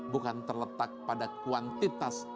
bukan terletak pada kuantitas